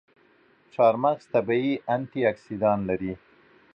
چارمغز طبیعي انټياکسیدان لري.